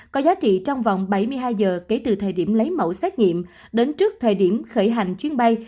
có giá trị trong vòng bảy mươi hai giờ kể từ thời điểm lấy mẫu xét nghiệm đến trước thời điểm khởi hành chuyến bay